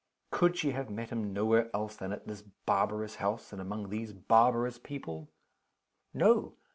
Could she have met him nowhere else than at this barbarous house, and among these barbarous people? No.